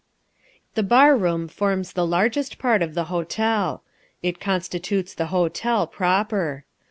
The bar room forms the largest part of the hotel. It constitutes the hotel proper.